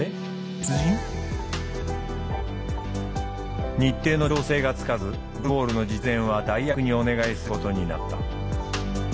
別人？日程の調整がつかずゴールボールの実演は代役にお願いすることになった。